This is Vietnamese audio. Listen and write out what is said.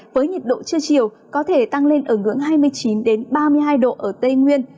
với nhiệt độ trưa chiều có thể tăng lên ở ngưỡng hai mươi chín ba mươi hai độ ở tây nguyên